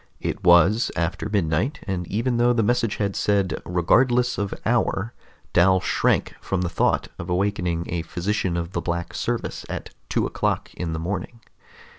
It was after midnight, and even though the message had said "regardless of hour," Dal shrank from the thought of awakening a physician of the Black Service at two o'clock in the morning.